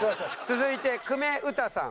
続いて久米詩さん。